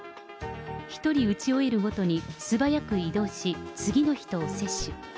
１人打ち終えるごとに素早く移動し、次の人を接種。